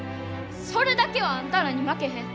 それだけはあんたらに負けへん。